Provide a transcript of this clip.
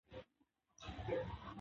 او دې ته مو متوجه کوي